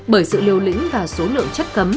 bởi sự liều lĩnh và số lượng chất cấm